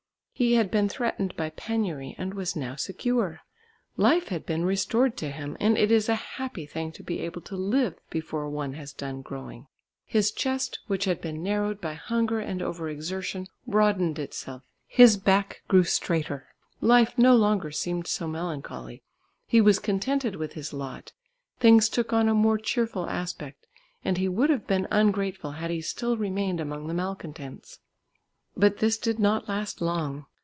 He had been threatened by penury and was now secure; life had been restored to him, and it is a happy thing to be able to live before one has done growing. His chest, which had been narrowed by hunger and over exertion, broadened itself; his back grew straighter; life no longer seemed so melancholy. He was contented with his lot; things took on a more cheerful aspect, and he would have been ungrateful had he still remained among the malcontents. But this did not last long.